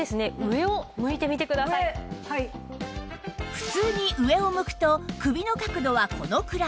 普通に上を向くと首の角度はこのくらい